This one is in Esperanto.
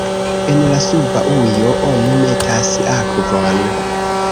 En la suba ujo oni metas akvon.